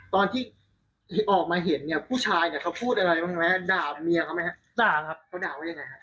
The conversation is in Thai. ปลอดที่ออกมาเห็นผู้ชายเขาพูดอะไรมั้ยด่าเมียอะไรยังทำ